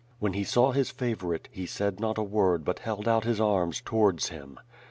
When he saw his favorite, he said not a word but held out his arms towards him.